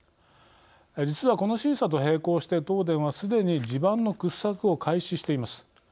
実はこの審査と並行して東電はすでに地盤の掘削を開始しています。